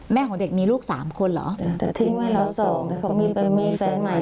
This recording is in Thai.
แม่ของเด็กมีลูกสามคนเหรอแต่ทิ้งไว้แล้วสองแต่เขาก็มีเป็นมีแฟนใหม่